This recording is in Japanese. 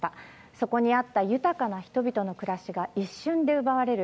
そこにあった豊かな人々の暮らしが一瞬で奪われる